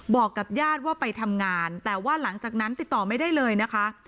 บอกกับญาติว่าไปทำงานแต่ว่าหลังจากนั้นติดต่อไม่ได้เลยนะคะ